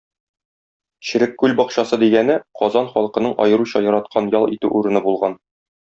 Черек күл бакчасы дигәне Казан халкының аеруча яраткан ял итү урыны булган.